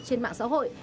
trên mạng xã hội